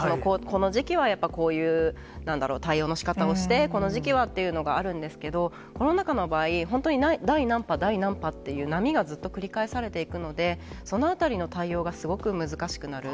このじきはやっぱ、こういうなんだろう、対応のしかたをして、この時期はっていうのがあるんですけど、コロナ禍の場合、本当に第何波、第何波っていう波がずっと繰り返されていくので、そのあたりの対応がすごく難しくなる。